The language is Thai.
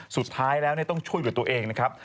สุดท้ายแล้วต้องช่วยเหลือตัวเองนะครับ